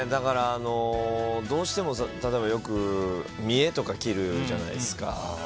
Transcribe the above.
どうしても、例えばよく、見えとか切るじゃないですか。